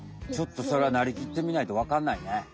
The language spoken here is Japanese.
ちょっとそれはなりきってみないとわかんないね。